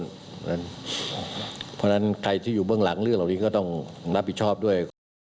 เพราะฉะนั้นใครที่อยู่เบื้องหลังเรื่องเหล่านี้ก็ต้องรับผิดชอบด้วย